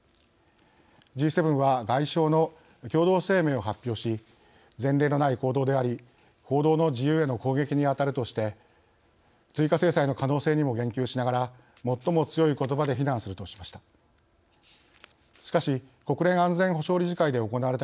Ｇ７は、外相の共同声明を発表し前例のない行動であり報道の自由への攻撃に当たるとして追加制裁の可能性にも言及しながら「もっとも強いことばで非難する」としました。